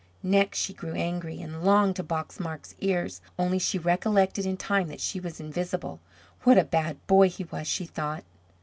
Next she grew angry, and longed to box Marc's ears, only she recollected in time that she was invisible. What a bad boy he was, she thought.